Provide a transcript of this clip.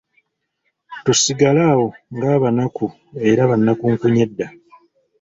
Tusigale awo ng'abanaku era banakunkunyedda!